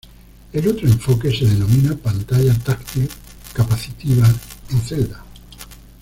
El otro enfoque se denomina pantalla táctil capacitiva "en celda".